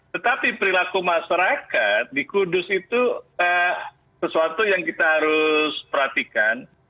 tetapi perilaku masyarakat di kudus itu sesuatu yang kita harus perhatikan